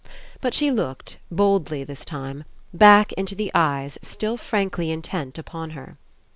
But she looked, boldly this time, back into the eyes still frankly intent upon her.